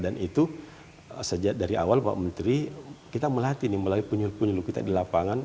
dan itu sejak dari awal pak menteri kita melatih melalui penyuluh penyuluh kita di lapangan